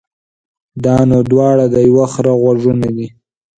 دا نو دواړه د يوه خره غوږونه دي.